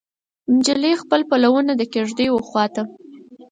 نجلۍ خپل پلونه د کیږدۍ وخواته